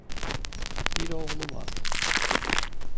Bir oğlu var.